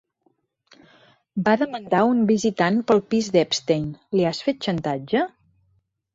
Va demandar un visitant pel pis d'Epstein; li has fet xantatge?